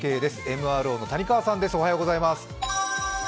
ＭＲＯの谷川さんです。